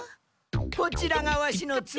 こちらがワシの妻